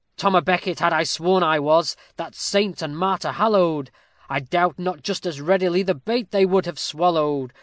Tom à Becket had I sworn I was, that saint and martyr hallowed, I doubt not just as readily the bait they would have swallowed.